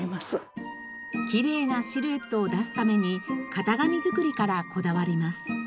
きれいなシルエットを出すために型紙作りからこだわります。